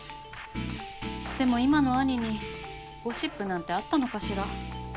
でも今の兄にゴシップなんてあったのかしら。